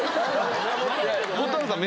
蛍原さん